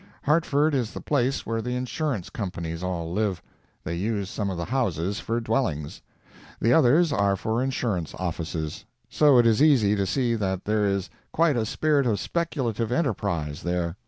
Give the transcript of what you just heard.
Hartford is the place where the insurance companies all live. They use some of the houses for dwellings. The others are for insurance offices. So it is easy to see that there is quite a spirit of speculative enterprise there.